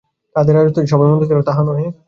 তাহাদের রাজত্বে যে সবই মন্দ ছিল, তাহা নহে।